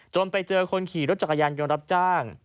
ไปเจอคนขี่รถจักรยานยนต์รับจ้าง